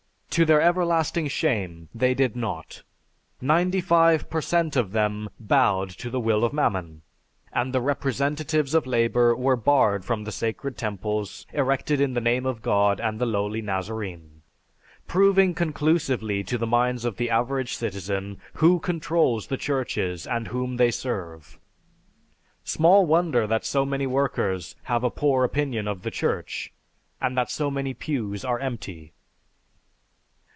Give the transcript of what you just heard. To their everlasting shame they did not. Ninety five percent of them bowed to the will of Mammon and the representatives of labor were barred from the sacred temples erected in the name of God and the lowly Nazarene, proving conclusively to the minds of the average citizen who controls the churches and whom they serve. Small wonder that many workers have a poor opinion of the Church, and that so many pews are empty."